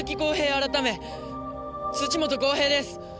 改め土本公平です！